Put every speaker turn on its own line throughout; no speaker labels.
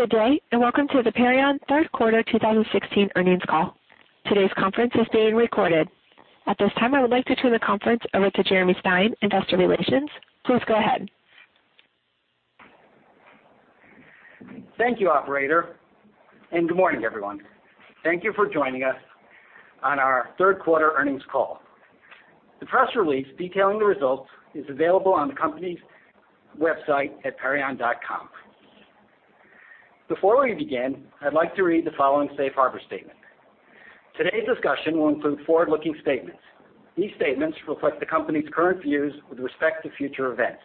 Good day, welcome to the Perion third quarter 2016 earnings call. Today's conference is being recorded. At this time, I would like to turn the conference over to Jeremy Stein, investor relations. Please go ahead.
Thank you, operator, good morning, everyone. Thank you for joining us on our third quarter earnings call. The press release detailing the results is available on the company's website at perion.com. Before we begin, I'd like to read the following safe harbor statement. Today's discussion will include forward-looking statements. These statements reflect the company's current views with respect to future events.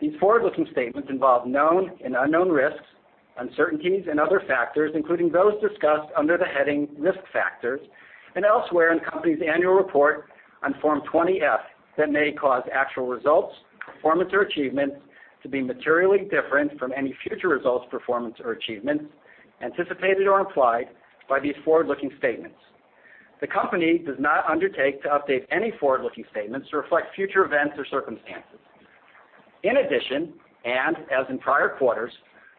These forward-looking statements involve known and unknown risks, uncertainties, and other factors, including those discussed under the heading Risk Factors and elsewhere in the company's annual report on Form 20-F that may cause actual results, performance or achievements to be materially different from any future results, performance, or achievements anticipated or implied by these forward-looking statements. The company does not undertake to update any forward-looking statements to reflect future events or circumstances. In addition, as in prior quarters,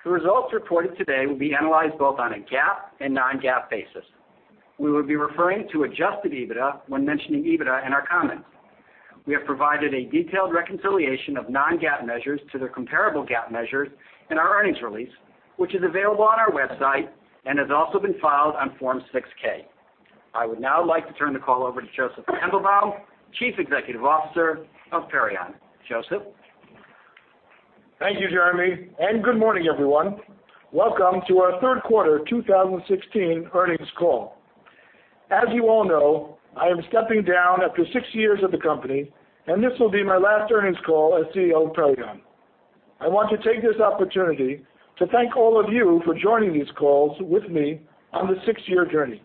the results reported today will be analyzed both on a GAAP and non-GAAP basis. We will be referring to adjusted EBITDA when mentioning EBITDA in our comments. We have provided a detailed reconciliation of non-GAAP measures to their comparable GAAP measures in our earnings release, which is available on our website and has also been filed on Form 6-K. I would now like to turn the call over to Josef Mandelbaum, Chief Executive Officer of Perion. Josef?
Thank you, Jeremy, good morning, everyone. Welcome to our third quarter 2016 earnings call. As you all know, I am stepping down after six years with the company, this will be my last earnings call as CEO of Perion. I want to take this opportunity to thank all of you for joining these calls with me on this six-year journey.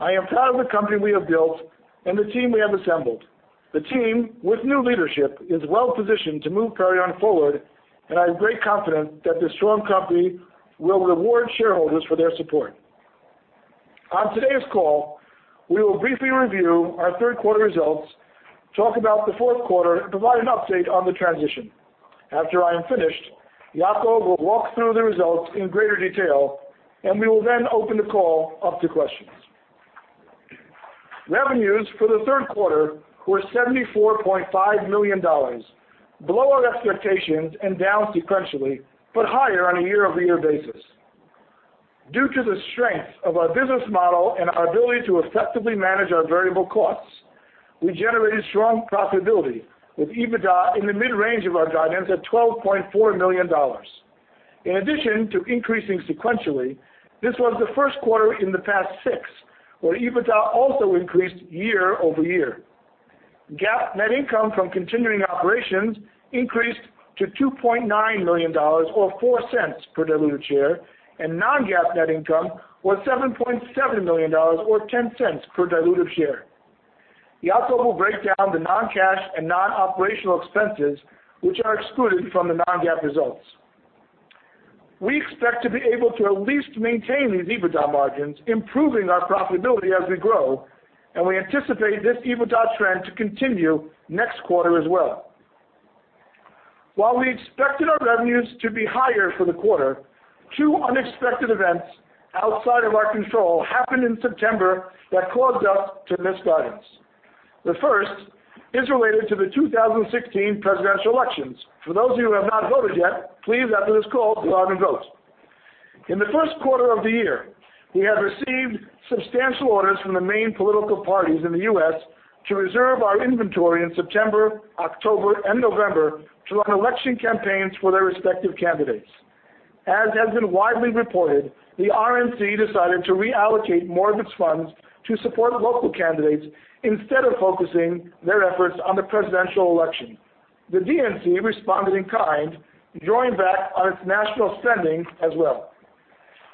I am proud of the company we have built and the team we have assembled. The team, with new leadership, is well-positioned to move Perion forward, I am very confident that this strong company will reward shareholders for their support. On today's call, we will briefly review our third quarter results, talk about the fourth quarter, provide an update on the transition. After I am finished, Yacov will walk through the results in greater detail, we will then open the call up to questions. Revenues for the third quarter were $74.5 million, below our expectations and down sequentially, but higher on a year-over-year basis. Due to the strength of our business model and our ability to effectively manage our variable costs, we generated strong profitability with EBITDA in the mid-range of our guidance at $12.4 million. In addition to increasing sequentially, this was the first quarter in the past six where EBITDA also increased year-over-year. GAAP net income from continuing operations increased to $2.9 million or $0.04 per diluted share, and non-GAAP net income was $7.7 million or $0.10 per diluted share. Yacov will break down the non-cash and non-operational expenses, which are excluded from the non-GAAP results. We expect to be able to at least maintain these EBITDA margins, improving our profitability as we grow, and we anticipate this EBITDA trend to continue next quarter as well. While we expected our revenues to be higher for the quarter, two unexpected events outside of our control happened in September that caused us to miss guidance. The first is related to the 2016 presidential elections. For those of you who have not voted yet, please, after this call, go out and vote. In the first quarter of the year, we had received substantial orders from the main political parties in the U.S. to reserve our inventory in September, October, and November to run election campaigns for their respective candidates. As has been widely reported, the RNC decided to reallocate more of its funds to support local candidates instead of focusing their efforts on the presidential election. The DNC responded in kind, drawing back on its national spending as well.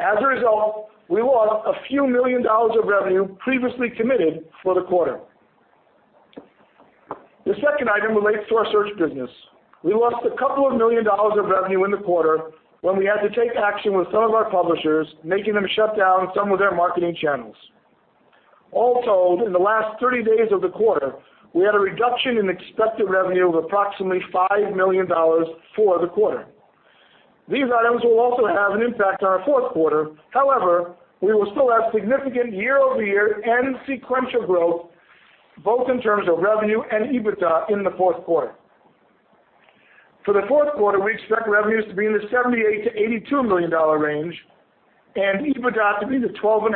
As a result, we lost a few million dollars of revenue previously committed for the quarter. The second item relates to our search business. We lost a couple of million dollars of revenue in the quarter when we had to take action with some of our publishers, making them shut down some of their marketing channels. All told, in the last 30 days of the quarter, we had a reduction in expected revenue of approximately $5 million for the quarter. These items will also have an impact on our fourth quarter. We will still have significant year-over-year and sequential growth, both in terms of revenue and EBITDA in the fourth quarter. For the fourth quarter, we expect revenues to be in the $78 million-$82 million range and EBITDA to be in the $12.5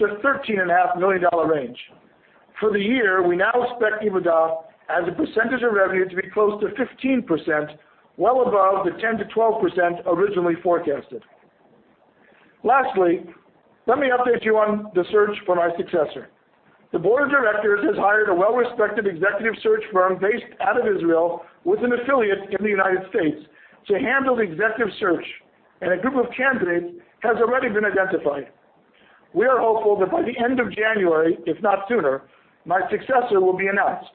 million-$13.5 million range. For the year, we now expect EBITDA as a percentage of revenue to be close to 15%, well above the 10%-12% originally forecasted. Let me update you on the search for my successor. The board of directors has hired a well-respected executive search firm based out of Israel with an affiliate in the U.S. to handle the executive search, and a group of candidates has already been identified. We are hopeful that by the end of January, if not sooner, my successor will be announced.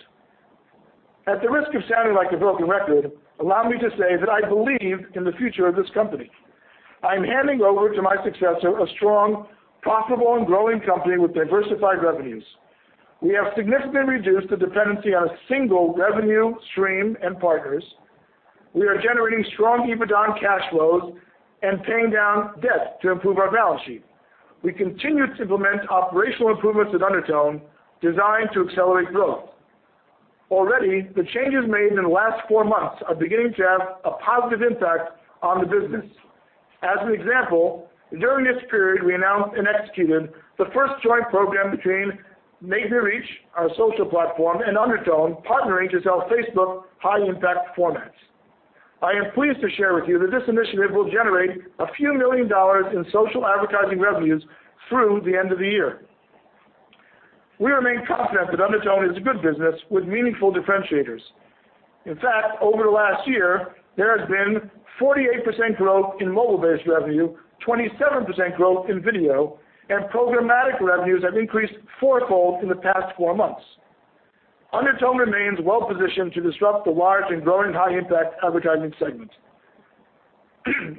At the risk of sounding like a broken record, allow me to say that I believe in the future of this company. I am handing over to my successor a strong, profitable, and growing company with diversified revenues. We have significantly reduced the dependency on a single revenue stream and partners. We are generating strong EBITDA and cash flows and paying down debt to improve our balance sheet. We continue to implement operational improvements at Undertone designed to accelerate growth. Already, the changes made in the last four months are beginning to have a positive impact on the business. As an example, during this period, we announced and executed the first joint program between MakeMeReach, our social platform, and Undertone, partnering to sell Facebook high-impact formats. I am pleased to share with you that this initiative will generate a few million dollars in social advertising revenues through the end of the year. We remain confident that Undertone is a good business with meaningful differentiators. In fact, over the last year, there has been 48% growth in mobile-based revenue, 27% growth in video, and programmatic revenues have increased fourfold in the past four months. Undertone remains well-positioned to disrupt the large and growing high-impact advertising segment.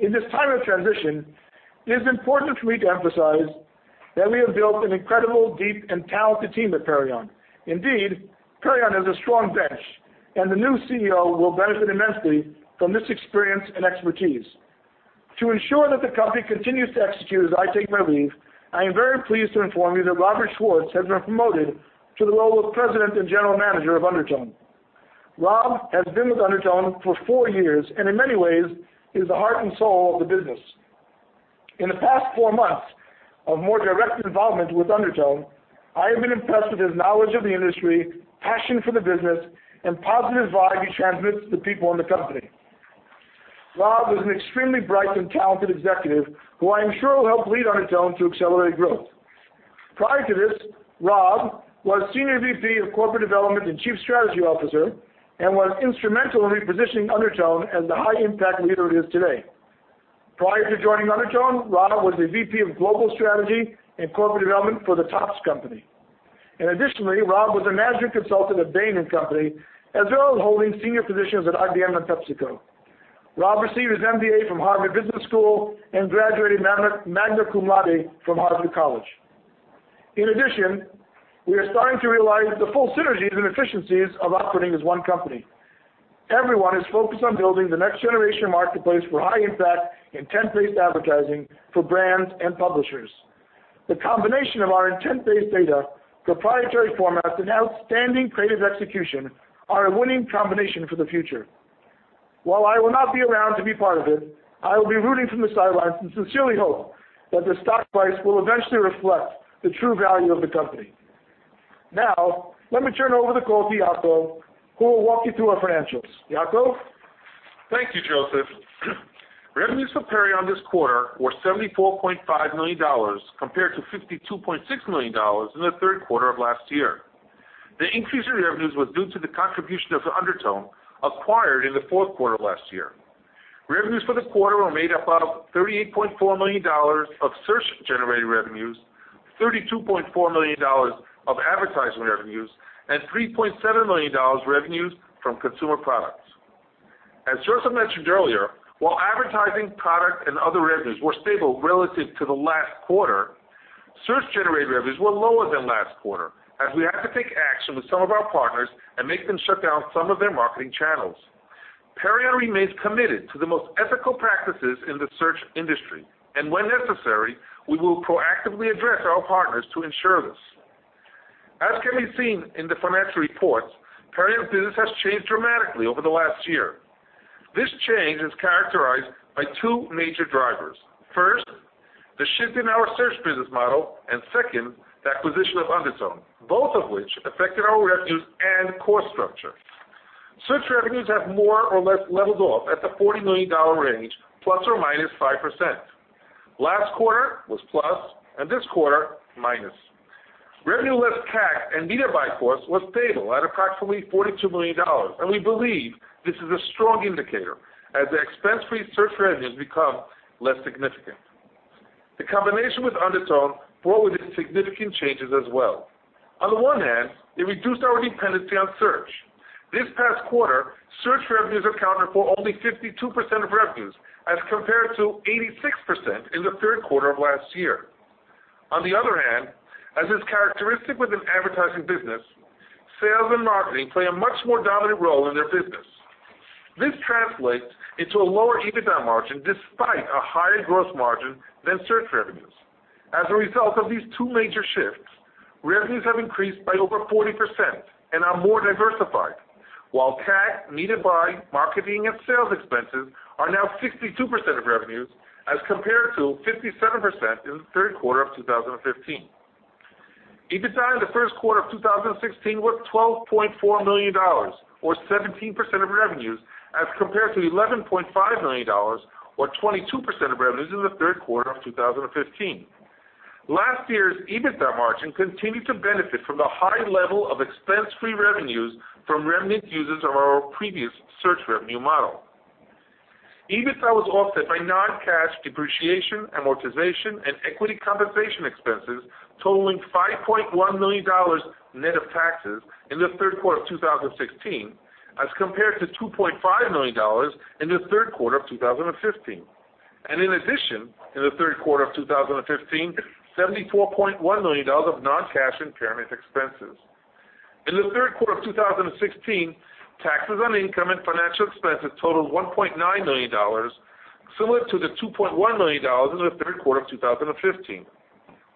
In this time of transition, it is important for me to emphasize that we have built an incredible, deep, and talented team at Perion. Indeed, Perion has a strong bench, and the new CEO will benefit immensely from this experience and expertise. To ensure that the company continues to execute as I take my leave, I am very pleased to inform you that Robert Schwartz has been promoted to the role of President and General Manager of Undertone. Rob has been with Undertone for four years, and in many ways, he is the heart and soul of the business. In the past four months of more direct involvement with Undertone, I have been impressed with his knowledge of the industry, passion for the business, and positive vibe he transmits to people in the company. Rob is an extremely bright and talented executive who I am sure will help lead Undertone to accelerated growth. Prior to this, Rob was Senior VP of Corporate Development and Chief Strategy Officer and was instrumental in repositioning Undertone as the high-impact leader it is today. Prior to joining Undertone, Rob was the VP of Global Strategy and Corporate Development for The Topps Company. Additionally, Rob was a management consultant at Bain & Company, as well as holding senior positions at IBM and PepsiCo. Rob received his MBA from Harvard Business School and graduated magna cum laude from Harvard College. In addition, we are starting to realize the full synergies and efficiencies of operating as one company. Everyone is focused on building the next-generation marketplace for high-impact, intent-based advertising for brands and publishers. The combination of our intent-based data, proprietary formats, and outstanding creative execution are a winning combination for the future. While I will not be around to be part of it, I will be rooting from the sidelines and sincerely hope that the stock price will eventually reflect the true value of the company. Let me turn over the call to Yacov, who will walk you through our financials. Yacov?
Thank you, Josef. Revenues for Perion this quarter were $74.5 million, compared to $52.6 million in the third quarter of last year. The increase in revenues was due to the contribution of Undertone, acquired in the fourth quarter of last year. Revenues for the quarter were made up of $38.4 million of search-generated revenues, $32.4 million of advertising revenues, and $3.7 million revenues from consumer products. As Josef mentioned earlier, while advertising, product, and other revenues were stable relative to the last quarter, search-generated revenues were lower than last quarter, as we had to take action with some of our partners and make them shut down some of their marketing channels. Perion remains committed to the most ethical practices in the search industry, and when necessary, we will proactively address our partners to ensure this. As can be seen in the financial reports, Perion's business has changed dramatically over the last year. This change is characterized by two major drivers. First, the shift in our search business model, and second, the acquisition of Undertone, both of which affected our revenues and cost structure. Search revenues have more or less leveled off at the $40 million range, plus or minus 5%. Last quarter was plus and this quarter, minus. Revenue less CAC and media buy for us was stable at approximately $42 million, and we believe this is a strong indicator as the expense-free search revenues become less significant. The combination with Undertone brought with it significant changes as well. On the one hand, it reduced our dependency on search. This past quarter, search revenues accounted for only 52% of revenues as compared to 86% in the third quarter of last year. On the other hand, as is characteristic with an advertising business, sales and marketing play a much more dominant role in their business. This translates into a lower EBITDA margin despite a higher gross margin than search revenues. As a result of these two major shifts, revenues have increased by over 40% and are more diversified. While CAC, media buy, marketing, and sales expenses are now 62% of revenues as compared to 57% in the third quarter of 2015. EBITDA in the first quarter of 2016 was $12.4 million, or 17% of revenues, as compared to $11.5 million or 22% of revenues in the third quarter of 2015. Last year's EBITDA margin continued to benefit from the high level of expense-free revenues from remnant uses of our previous search revenue model. EBITDA was offset by non-cash depreciation, amortization, and equity compensation expenses totaling $5.1 million net of taxes in the third quarter of 2016 as compared to $2.5 million in the third quarter of 2015. In addition, in the third quarter of 2015, $74.1 million of non-cash impairment expenses. In the third quarter of 2016, taxes on income and financial expenses totaled $1.9 million, similar to the $2.1 million in the third quarter of 2015.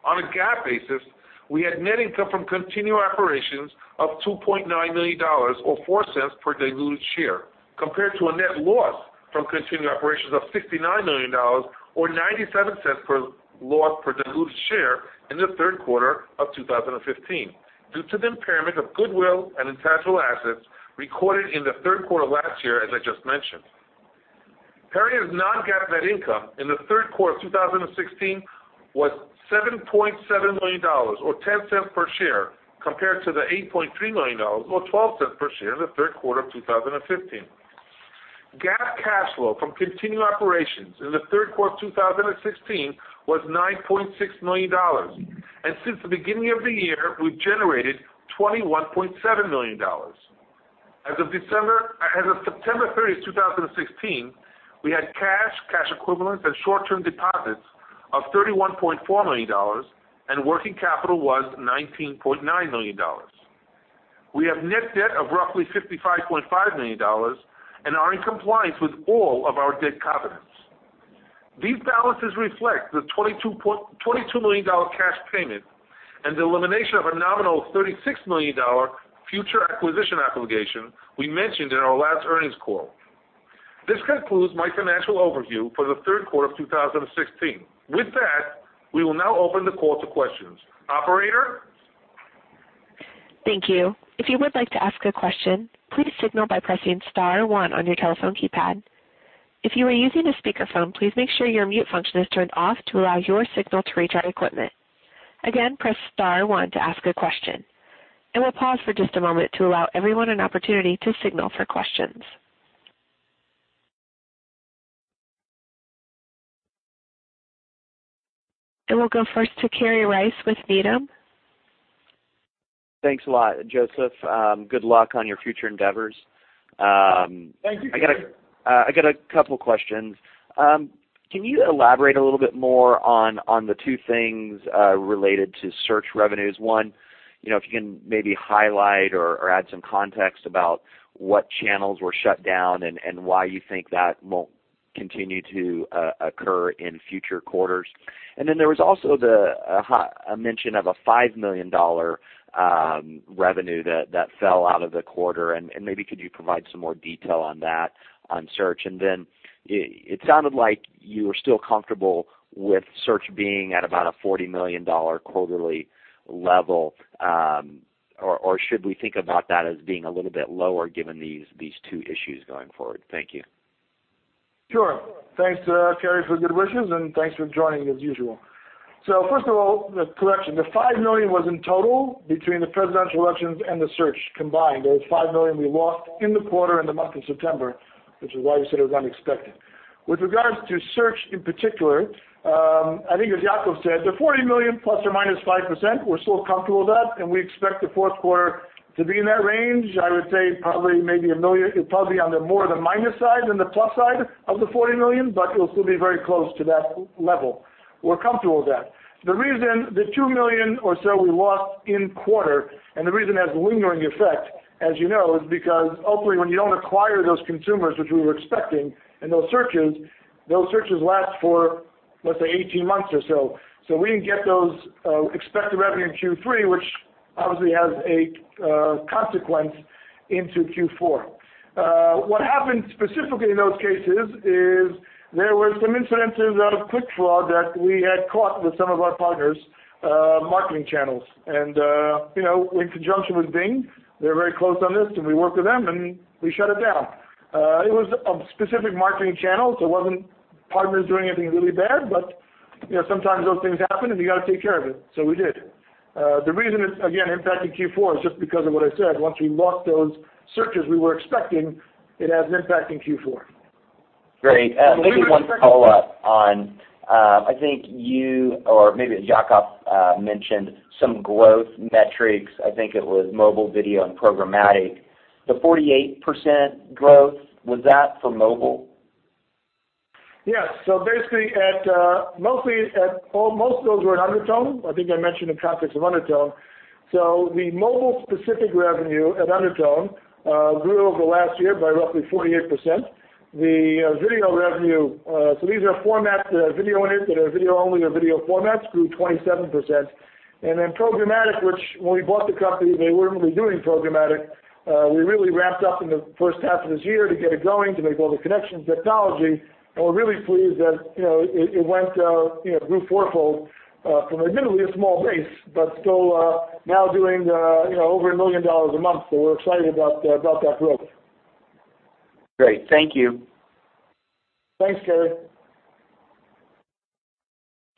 On a GAAP basis, we had net income from continuing operations of $2.9 million or $0.04 per diluted share, compared to a net loss from continuing operations of $59 million or $0.97 loss per diluted share in the third quarter of 2015, due to the impairment of goodwill and intangible assets recorded in the third quarter of last year, as I just mentioned.
Perion's non-GAAP net income in the third quarter of 2016 was $7.7 million or $0.10 per share, compared to the $8.3 million or $0.12 per share in the third quarter of 2015. GAAP cash flow from continuing operations in the third quarter of 2016 was $9.6 million. Since the beginning of the year, we've generated $21.7 million. As of September 30th, 2016, we had cash equivalents, and short-term deposits of $31.4 million, and working capital was $19.9 million. We have net debt of roughly $55.5 million and are in compliance with all of our debt covenants. These balances reflect the $22 million cash payment and the elimination of a nominal $36 million future acquisition obligation we mentioned in our last earnings call. This concludes my financial overview for the third quarter of 2016. With that, we will now open the call to questions. Operator?
Thank you. If you would like to ask a question, please signal by pressing *1 on your telephone keypad. If you are using a speakerphone, please make sure your mute function is turned off to allow your signal to reach our equipment. Again, press *1 to ask a question. We'll pause for just a moment to allow everyone an opportunity to signal for questions. We'll go first to Kerry Rice with Needham.
Thanks a lot, Josef. Good luck on your future endeavors.
Thank you, Kerry.
I got a couple questions. Can you elaborate a little bit more on the two things related to search revenues? One, if you can maybe highlight or add some context about what channels were shut down and why you think that won't continue to occur in future quarters. There was also a mention of a $5 million revenue that fell out of the quarter. Maybe could you provide some more detail on that, on search? It sounded like you were still comfortable with search being at about a $40 million quarterly level. Or should we think about that as being a little bit lower given these two issues going forward? Thank you.
Sure. Thanks, Kerry, for the good wishes, and thanks for joining as usual. First of all, the correction, the $5 million was in total between the presidential elections and the search combined. That was $5 million we lost in the quarter in the month of September, which is why we said it was unexpected. With regards to search in particular, I think as Yacov said, the $40 million plus or minus 5%, we're still comfortable with that, and we expect the fourth quarter to be in that range. I would say probably on the more the minus side than the plus side of the $40 million, but it'll still be very close to that level. We're comfortable with that. The reason the $2 million or so we lost in quarter, and the reason it has lingering effect, as you know, is because ultimately, when you don't acquire those consumers, which we were expecting in those searches, those searches last for, let's say, 18 months or so. We didn't get those expected revenue in Q3, which obviously has a consequence into Q4. What happened specifically in those cases is there were some incidences of click fraud that we had caught with some of our partners' marketing channels. In conjunction with Bing, we are very close on this, and we worked with them, and we shut it down. It was a specific marketing channel, it wasn't partners doing anything really bad. But sometimes those things happen, and you got to take care of it. We did. The reason it's, again, impacting Q4 is just because of what I said. Once we lost those searches we were expecting, it has an impact in Q4.
Great. Maybe one follow-up on I think you or maybe Yacov mentioned some growth metrics. I think it was mobile video and programmatic. The 48% growth, was that for mobile?
Yes. Basically, most of those were in Undertone. I think I mentioned the topics of Undertone. The mobile-specific revenue at Undertone grew over the last year by roughly 48%. The video revenue, these are formats that have video in it, that are video-only or video formats, grew 27%. Programmatic, which when we bought the company, they weren't really doing programmatic. We really ramped up in the first half of this year to get it going, to make all the connections, technology, and we're really pleased that it grew fourfold from admittedly a small base, but still now doing over $1 million a month. We're excited about that growth.
Great. Thank you.
Thanks, Kerry.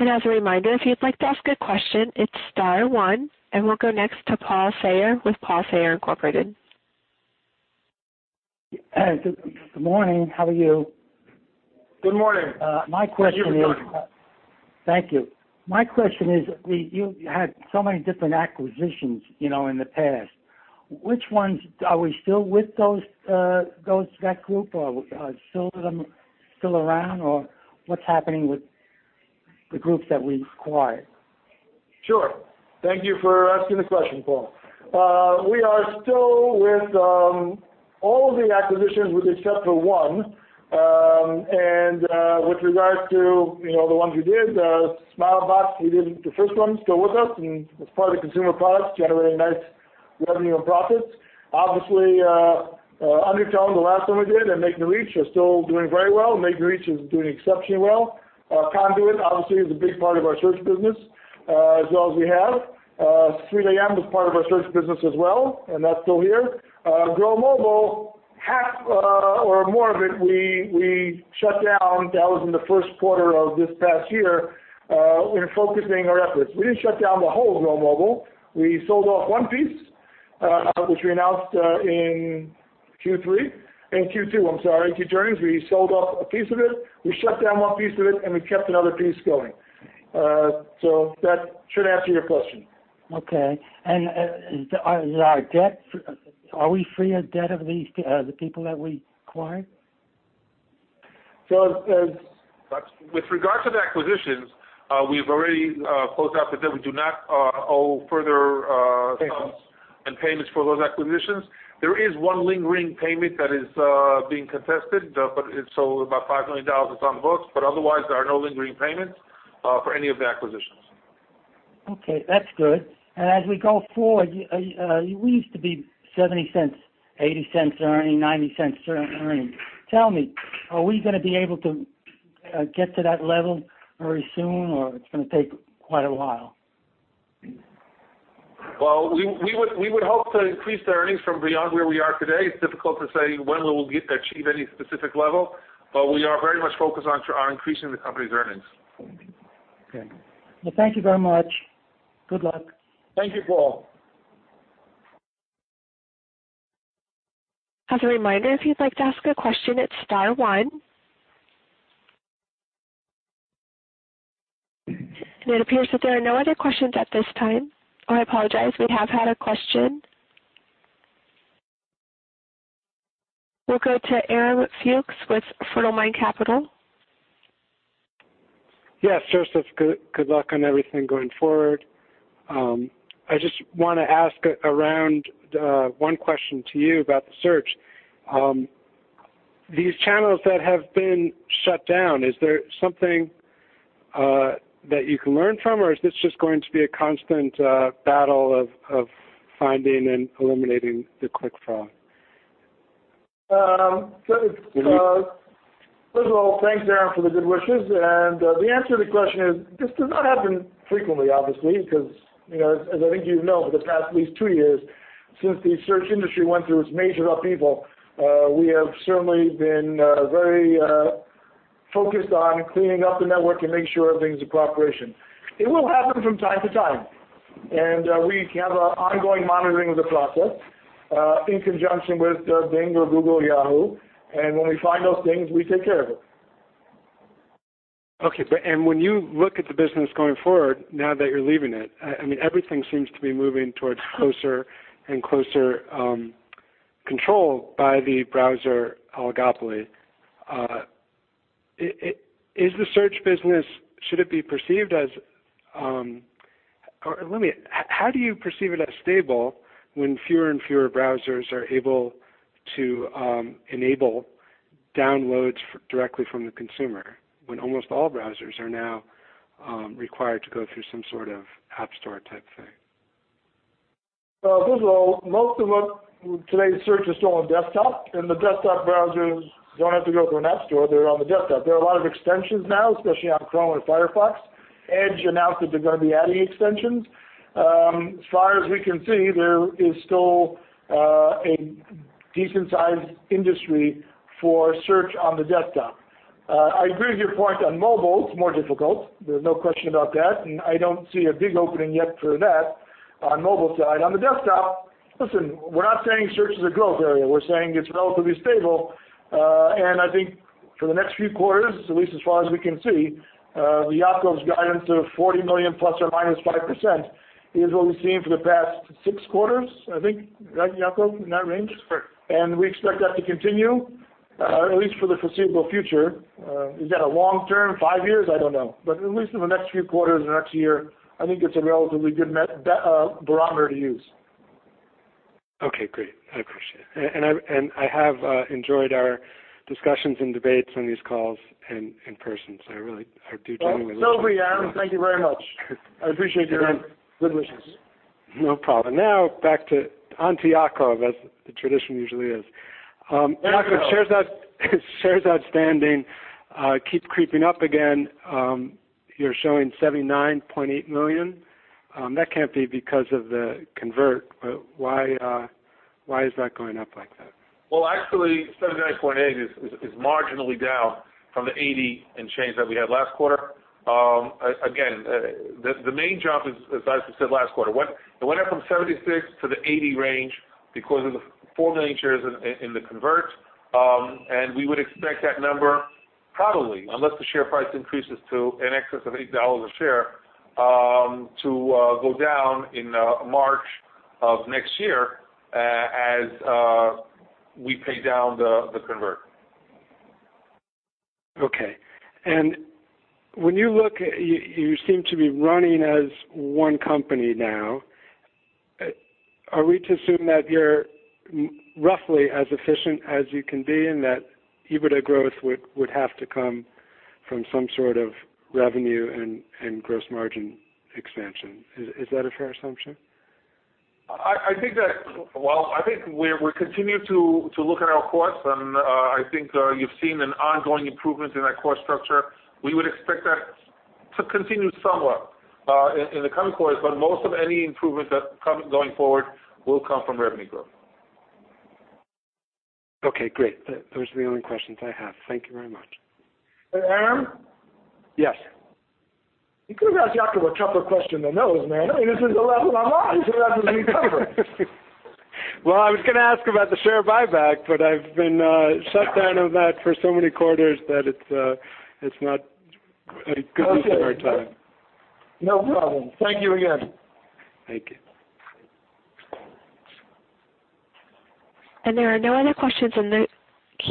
As a reminder, if you'd like to ask a question, it's star 1, and we'll go next to Paul Sayer with Paul Sayer Incorporated.
Good morning. How are you?
Good morning.
Thank you. My question is, you had so many different acquisitions in the past. Which ones? Are we still with that group? Are still some still around, or what's happening with the groups that we acquired?
Sure. Thank you for asking the question, Paul. We are still with all of the acquisitions with except for one. With regards to the ones we did, Smilebox, we did the first one, still with us, and as part of the consumer products, generating nice revenue and profits. Obviously, Undertone, the last one we did, and MakeMeReach are still doing very well. MakeMeReach is doing exceptionally well. Conduit, obviously, is a big part of our search business, as well as [WeHave]. 3AM is part of our search business as well, and that's still here. Grow Mobile, half or more of it, we shut down. That was in the first quarter of this past year, we're focusing our efforts. We didn't shut down the whole Grow Mobile. We sold off one piece, which we announced in Q2. We sold off a piece of it. We shut down one piece of it, and we kept another piece going. That should answer your question.
Okay. Are we free of debt of the people that we acquired?
With regard to the acquisitions, we've already closed out the debt. We do not owe further sums.
Okay
Payments for those acquisitions. There is one lingering payment that is being contested, but it's about $5 million. It's on the books, but otherwise, there are no lingering payments for any of the acquisitions.
Okay. That's good. As we go forward, we used to be $0.70, $0.80 earning, $0.90 earning. Tell me, are we going to be able to get to that level very soon, or it's going to take quite a while?
Well, we would hope to increase the earnings from beyond where we are today. It's difficult to say when we will achieve any specific level, but we are very much focused on increasing the company's earnings.
Okay. Well, thank you very much. Good luck.
Thank you, Paul.
As a reminder, if you'd like to ask a question, it's star one. It appears that there are no other questions at this time. Oh, I apologize, we have had a question. We'll go to Aram Fuchs with Fertilemind Capital.
Yes, sure. Good luck on everything going forward. I just want to ask around one question to you about the search. These channels that have been shut down, is there something that you can learn from, or is this just going to be a constant battle of finding and eliminating the click fraud?
First of all, thanks, Aram, for the good wishes. The answer to the question is, this does not happen frequently, obviously, because, as I think you know, for the past at least two years, since the search industry went through its major upheaval, we have certainly been very focused on cleaning up the network and making sure everything's in proper operation. It will happen from time to time, and we have an ongoing monitoring of the process, in conjunction with Bing or Google or Yahoo, when we find those things, we take care of it.
Okay. When you look at the business going forward, now that you're leaving it, everything seems to be moving towards closer and closer control by the browser oligopoly. Is the search business, should it be perceived as stable when fewer and fewer browsers are able to enable downloads directly from the consumer, when almost all browsers are now required to go through some sort of app store type thing?
First of all, most of today's search is still on desktop, and the desktop browsers don't have to go through an app store. They're on the desktop. There are a lot of extensions now, especially on Chrome and Firefox. Edge announced that they're going to be adding extensions. As far as we can see, there is still a decent-sized industry for search on the desktop. I agree with your point on mobile, it's more difficult. There's no question about that, and I don't see a big opening yet for that on mobile side. On the desktop, listen, we're not saying search is a growth area. We're saying it's relatively stable. I think for the next few quarters, at least as far as we can see, Yacov's guidance of $40 million plus or minus 5% is what we've seen for the past six quarters, I think. Right, Yacov?
In that range? Sure. We expect that to continue, at least for the foreseeable future. Is that a long-term, five years? I don't know. At least for the next few quarters or the next year, I think it's a relatively good barometer to use.
Okay, great. I appreciate it. I have enjoyed our discussions and debates on these calls and in person.
Have we, Aram. Thank you very much. I appreciate your good wishes.
No problem. Back to Yacov Kaufman, as the tradition usually is.
There we go.
Yacov, shares outstanding keep creeping up again. You're showing 79.8 million. That can't be because of the convert. Why is that going up like that?
Well, actually, 79.8 is marginally down from the 80 and change that we had last quarter. The main jump is, as I said last quarter, it went up from 76 to the 80 range because of the 4 million shares in the convert. We would expect that number probably, unless the share price increases to in excess of $8 a share, to go down in March of next year as we pay down the convert.
Okay. When you look at-- You seem to be running as one company now. Are we to assume that you're roughly as efficient as you can be, and that EBITDA growth would have to come from some sort of revenue and gross margin expansion? Is that a fair assumption?
Well, I think we're continuing to look at our costs, I think you've seen an ongoing improvement in our cost structure. We would expect that to continue somewhat in the coming quarters, most of any improvement that come going forward will come from revenue growth.
Okay, great. Those are the only questions I have. Thank you very much.
Aram?
Yes.
You could have asked Yacov a tougher question than those, man. I mean, this is the last one I'm on. This is my last meeting conference.
Well, I was going to ask about the share buyback. I've been shut down on that for so many quarters that it's not a good use of our time.
No problem. Thank you again.
Thank you.
There are no other questions in the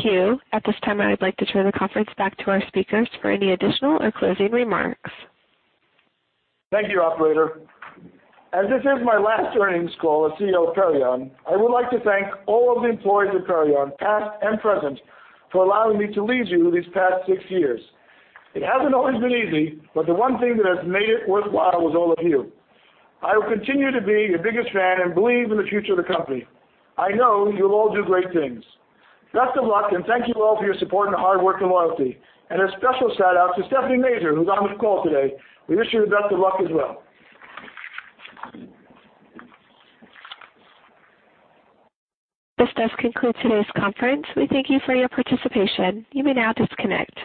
queue. At this time, I would like to turn the conference back to our speakers for any additional or closing remarks.
Thank you, operator. As this is my last earnings call as CEO of Perion, I would like to thank all of the employees of Perion, past and present, for allowing me to lead you these past six years. It hasn't always been easy, but the one thing that has made it worthwhile was all of you. I will continue to be your biggest fan and believe in the future of the company. I know you'll all do great things. Best of luck, and thank you all for your support and hard work and loyalty. A special shout-out to Stephanie Mazer, who's on this call today. We wish you the best of luck as well.
This does conclude today's conference. We thank you for your participation. You may now disconnect.